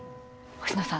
星野さん